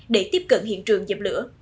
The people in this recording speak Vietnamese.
để tiếp cận hiện trường dập lửa